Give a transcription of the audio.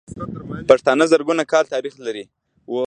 پښتانه زرګونه کاله تاريخ لري.